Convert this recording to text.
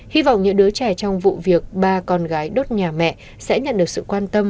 hy vọng những đứa trẻ trong vụ việc ba con gái đốt nhà mẹ sẽ nhận được sự quan tâm